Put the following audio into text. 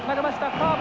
カーブ。